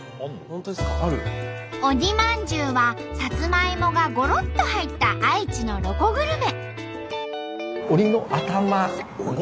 鬼まんじゅうはさつまいもがごろっと入った愛知のロコグルメ。